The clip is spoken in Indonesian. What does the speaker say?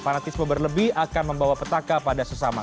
fanatisme berlebih akan membawa petaka pada sesama